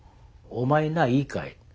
「お前ないいかい？